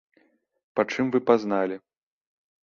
Па чым вы пазналі?